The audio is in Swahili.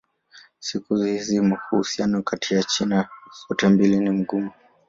Siku hizi uhusiano kati ya China zote mbili ni mgumu.